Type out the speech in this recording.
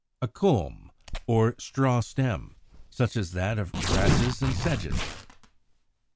=A Culm=, or straw stem, such as that of Grasses and Sedges.